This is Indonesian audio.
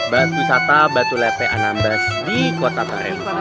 batu wisata batu lepe anambas di kota tarempa